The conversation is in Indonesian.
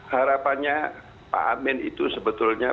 harapannya pak amin itu sebetulnya